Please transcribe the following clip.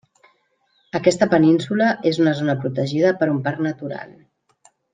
Aquesta península és una zona protegida per un Parc Natural.